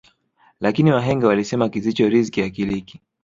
Lakini wahenga walisema kisicho riziki akiliki